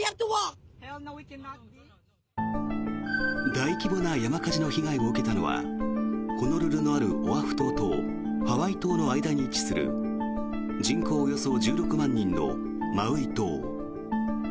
大規模な山火事の被害を受けたのはホノルルのあるオアフ島とハワイ島の間に位置する人口およそ１６万人のマウイ島。